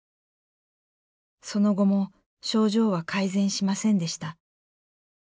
その後も症状は改善しませんでした。